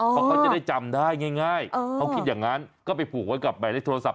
เพราะเขาจะได้จำได้ง่ายเขาคิดอย่างนั้นก็ไปผูกไว้กับหมายเลขโทรศัพ